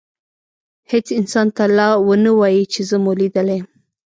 هیڅ انسان ته لا ونه وایئ چي زه مو لیدلی یم.